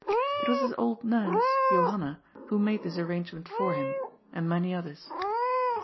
It was his old nurse, Johanna, who made this arrangement for him, and many others.